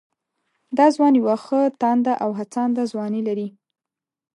دا ځوان يوه ښه تانده او هڅانده ځواني لري